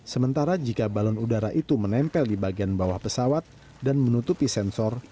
sementara jika balon udara itu menempel di bagian bawah pesawat dan menutupi sensor